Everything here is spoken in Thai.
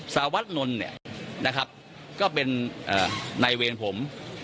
สาวัฒน์นนท์ก็เป็นในเวรผม